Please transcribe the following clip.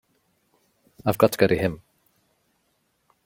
I've got to go to him.